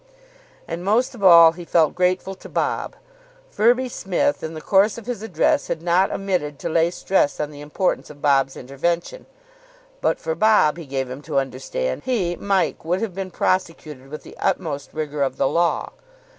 And, most of all, he felt grateful to Bob. Firby Smith, in the course of his address, had not omitted to lay stress on the importance of Bob's intervention. But for Bob, he gave him to understand, he, Mike, would have been prosecuted with the utmost rigour of the law.